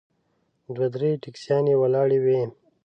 دوه درې ټیکسیانې ولاړې وې.